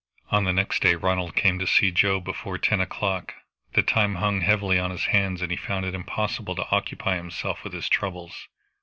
On the next day Ronald came to see Joe before ten o'clock. The time hung heavily on his hands, and he found it impossible to occupy himself with his troubles.